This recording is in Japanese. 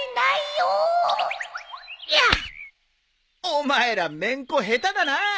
お前らめんこ下手だな。